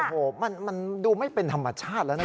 โอ้โหมันดูไม่เป็นธรรมชาติแล้วนะ